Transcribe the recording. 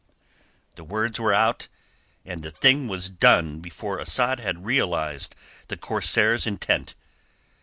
The words were out and the thing was done before Asad had realized the corsair's intent.